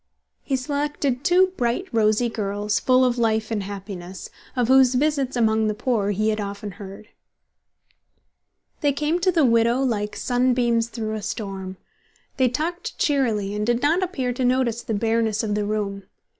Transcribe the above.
He selected two bright, rosy girls, full of life and happiness, of whose visits among the poor he had often heard. They came to the widow like sunbeams through a storm. They talked cheerily, and did not appear to notice the bareness of the room.